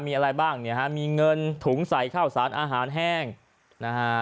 มีอะไรบ้างเนี่ยฮะมีเงินถุงใส่ข้าวสารอาหารแห้งนะฮะ